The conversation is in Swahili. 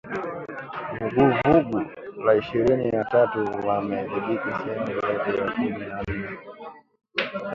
Vuguvugu la Ishirini na tatu wamedhibithi sehemu zaidi ya kumi na nne